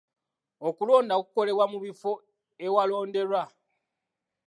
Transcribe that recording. Okulonda kukolebwa mu bifo ewalonderwa.